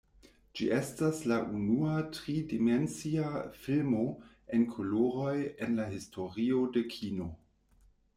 Ĝi estas la unua tri-dimensia filmo en koloroj en la historio de kino.